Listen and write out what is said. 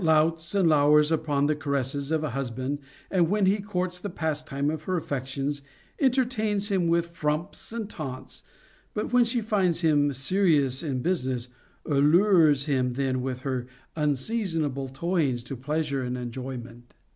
491 louts and lowers upon the caresses of a husband, and when he courts the pastime of her affections, entertains him with frumps and taunts, but when she finds him serious in business, allures him then with her unseason able toyings to pleasure and enjoyment?